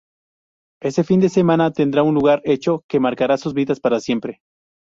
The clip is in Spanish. Ese fin de semana tendrá lugar un hecho que marcará sus vidas para siempre.